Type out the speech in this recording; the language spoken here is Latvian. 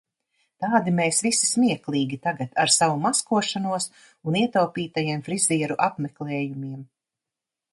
Tādi mēs visi smieklīgi tagad ar savu maskošanos un ietaupītajiem frizieru apmeklējumiem.